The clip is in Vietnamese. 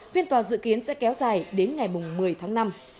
phiên tòa dự kiến sẽ kéo dài đến ngày một mươi tháng năm